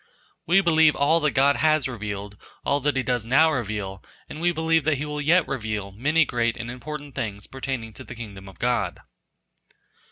We believe all that God has revealed, all that He does now reveal, and we believe that he will yet reveal many great and important things pertaining to the Kingdom of God.